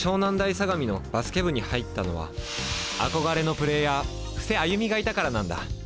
相模のバスケ部に入ったのは憧れのプレーヤー布施歩がいたからなんだ。